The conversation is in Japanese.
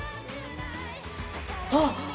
あっ！